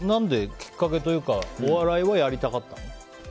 きっかけというかお笑いをやりたかったの？